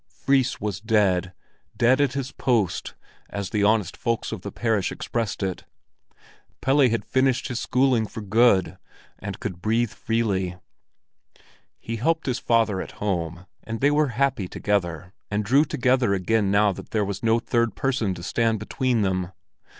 Fris was dead—dead at his post, as the honest folks of the parish expressed it. Pelle had finished his schooling for good, and could breathe freely. He helped his father at home, and they were happy together and drew together again now that there was no third person to stand between them.